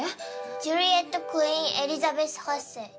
ジュリエット・クイーン・エリザベス８世。